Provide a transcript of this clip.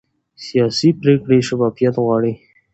سیاسي پرېکړې شفافیت غواړي